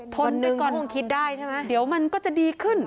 ด้วยก็คงคิดได้ใช่ไหมเดี๋ยวมันก็จะดีขึ้น